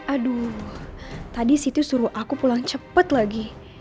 aduh tadi siti suruh aku pulang cepat lagi